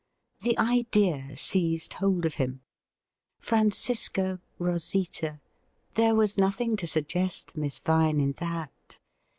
The idea seized hold of him. Francisco — Rosita — there was nothing to suggest Miss Vine in that.